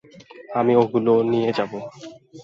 আমি ওগুলো নিয়ে যাবো।